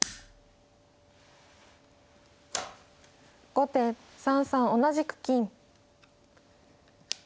後手３三同じく金。